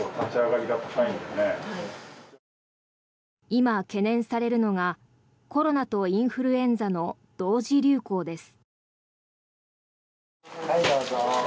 今、懸念されるのがコロナとインフルエンザの同時流行です。